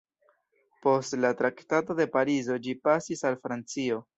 Post la Traktato de Parizo ĝi pasis al Francio.